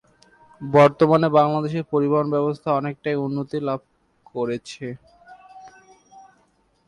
বর্তমানে বাংলাদেশের পরিবহন ব্যবস্থা অনেকটাই উন্নতি লাভ করেছে।